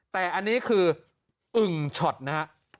แต่อันนี้คืออึ่งช็อตนะฮะ